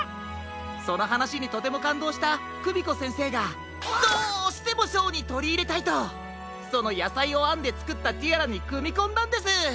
そのはなしにとてもかんどうしたクミコせんせいがどうしてもショーにとりいれたいとそのやさいをあんでつくったティアラにくみこんだんです。